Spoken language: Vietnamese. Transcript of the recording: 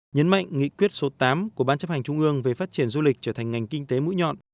nhấn mạnh nghị quyết số tám của ban chấp hành trung ương về phát triển du lịch trở thành ngành kinh tế mũi nhọn